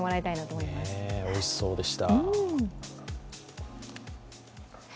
おいしそうでした。